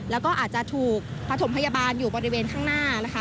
แล้วก็อาจจะถูกปฐมพยาบาลอยู่บริเวณข้างหน้านะคะ